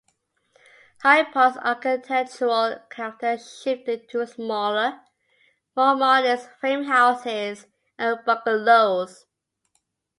Hyde Park's architectural character shifted to smaller, more modest frame houses and bungalows.